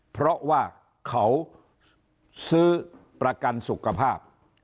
เพราะว่าเขาซื้อประกันสุขภาพ